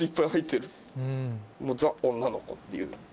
ザ・女の子っていう。